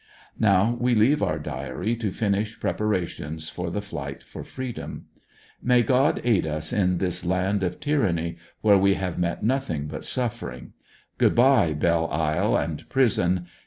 Now we leave our diary to finish pre parations for the flight for freedom. May God aid us in tills land of tyranny, where we have met nothing but suffering. Good bye, Belle Isle and Prison.